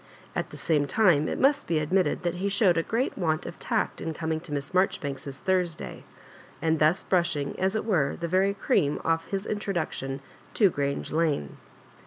At the same time, it must be admitted that be showed a great want of tact in coming to Miss Maijoribanks's Thursday, and thus brushing, as it were, the very cream off his introduction to Orange Lane.